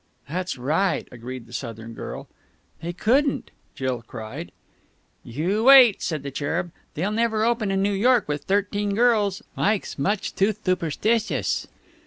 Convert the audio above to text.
"That's right!" agreed the Southern girl. "They couldn't!" Jill cried. "You wait!" said the Cherub. "They'll never open in New York with thirteen girls. Ike's much too thuperstitious."